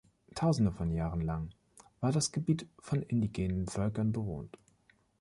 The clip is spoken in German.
Tausende von Jahren lang war das Gebiet von indigenen Völkern bewohnt.